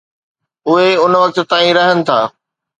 اهي ان وقت تائين رهن ٿا.